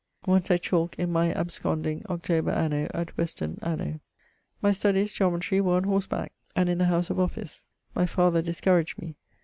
[VII.] Once at Chalke in my absconding Oct. anno ...; at Weston anno.... My studies (geometry) were on horse back[VIII.], and the house of office: (my father discouraged me).